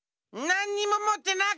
なんにももってない。